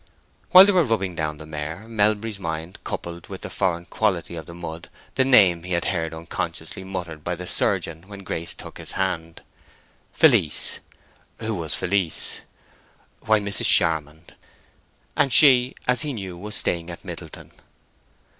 While they were rubbing down the mare, Melbury's mind coupled with the foreign quality of the mud the name he had heard unconsciously muttered by the surgeon when Grace took his hand—"Felice." Who was Felice? Why, Mrs. Charmond; and she, as he knew, was staying at Middleton.